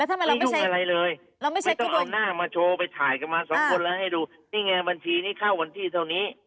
ทำไมเราไม่มีอะไรเลยไม่ต้องเอาหน้ามาโชว์ไปถ่ายกันมาสองคนแล้วให้ดูนี่ไงบัญชีนี้เข้าวันที่เท่านี้